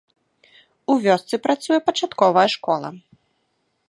У вёсцы працуе пачатковая школа.